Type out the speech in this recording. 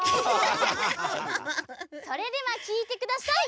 それではきいてください！